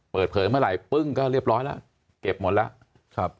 เปิดเผยเมื่อไหร่ปึ้งก็เรียบร้อยแล้วเก็บหมดแล้ว